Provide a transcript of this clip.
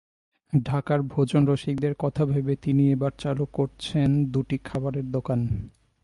ঢাকার ভোজনরসিকদের কথা ভেবে তিনি এবার চালু করছেন দুটি খাবারের দোকান।